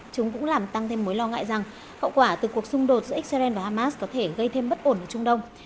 chúng cũng làm tăng thêm mối lo ngại rằng hậu quả từ cuộc xung đột giữa israel và hamas có thể gây thêm bất ổn ở trung đông